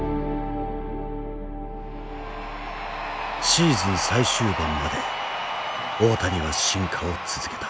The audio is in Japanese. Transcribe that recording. シーズン最終盤まで大谷は進化を続けた。